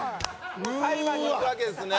裁判にいくわけですね